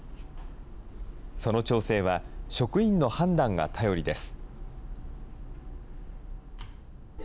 その調整は、職員の判断が頼りです。